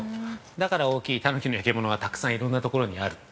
だから大きいタヌキの焼き物がたくさんいろんなところにある。